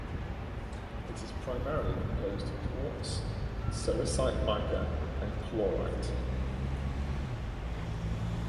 It is primarily composed of quartz, sericite mica, and chlorite.